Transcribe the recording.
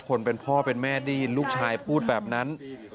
คนเป็นพ่อเป็นแม่ได้ยินลูกชายพูดแบบนั้น